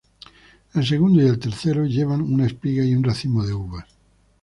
El segundo y el tercero llevan una espiga y un racimo de uvas.